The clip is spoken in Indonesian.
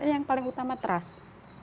yang paling utama trust